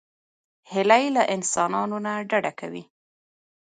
هیلۍ له انسانانو نه ډډه کوي